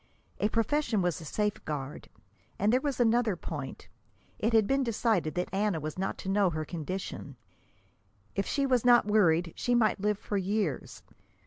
A profession was a safeguard. And there was another point: it had been decided that Anna was not to know her condition. If she was not worried she might live for years.